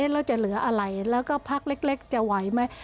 เราจะเหลืออะไรแล้วก็พักเล็กจะไหวไหม